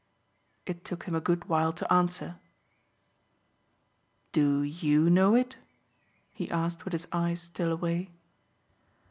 It took him a good while to answer. "Do YOU know it?" he asked with his eyes still away.